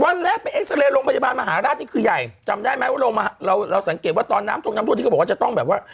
วันแรกไปโรงพยาบาลมหาราชนี่คือใหญ่จำได้ไหมว่าโรงพยาบาลเราเราสังเกตว่าตอนน้ำตรงน้ำตัวที่เขาบอกว่าจะต้องแบบว่า